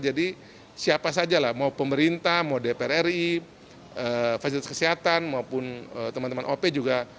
jadi siapa saja lah mau pemerintah mau dpr ri fakultas kesehatan maupun teman teman op juga